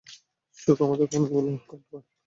সুখে আমাদের ক্ষণগুলো কাটাব!